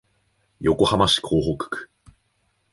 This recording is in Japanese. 横浜市港北区